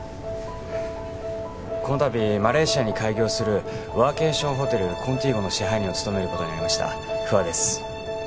このたびマレーシアに開業するワーケーションホテルコンティーゴの支配人を務めることになりました不破です